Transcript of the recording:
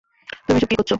তুমি এসব কি করছো?